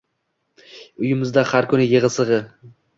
Uyimizda har kuni yigʻi-sigʻi...